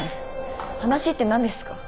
話って何ですか？